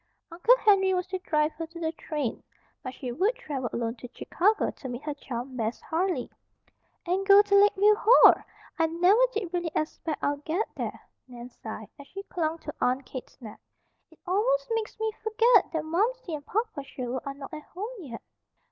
Uncle Henry was to drive her to the train; but she would travel alone to Chicago to meet her chum, Bess Harley. "And go to Lakeview Hall! I never did really expect I'd get there," Nan sighed, as she clung to Aunt Kate's neck. "It almost makes me forget that Momsey and Papa Sherwood are not at home yet.